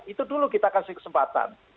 itu dulu kita kasih kesempatan